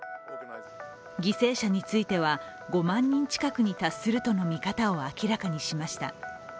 犠牲者については、５万人近くに達するとの見方を明らかにしました。